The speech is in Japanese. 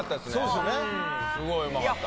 うんすごいうまかった。